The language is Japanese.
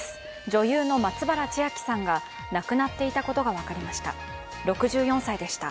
女優の松原千明さんが亡くなっていたことが分かりました。